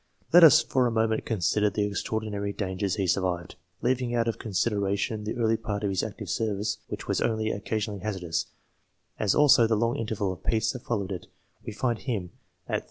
Let us for a moment consider the extraordinary dangers he survived. Leaving out of consideration the early part of his active service, which was only occasionally hazardous, as also the long interval of peace that followed it, we find him, set.